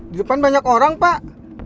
di depan banyak orang pak